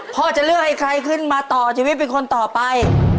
พ่อจะเลือกให้ใครขึ้นมาต่อชีวิตเป็นคนต่อไป